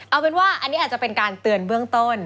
เอาเป็นว่าอันนี้อาจจะเป็นการเตือนเบื้องต้น